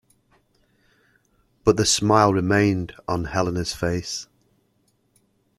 But the smile remained on Helene's face.